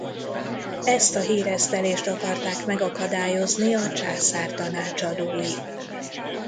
Ezt a híresztelést akarták megakadályozni a császár tanácsadói.